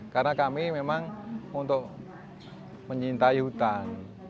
karena kami memang untuk menyintai hutan